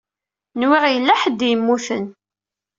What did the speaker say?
Nwiɣ yella ḥedd i yemmuten.